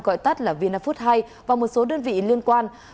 gọi tắt là vinafood hai và một số đơn vị liên quan